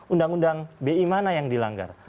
undang undang bi mana yang dilanggar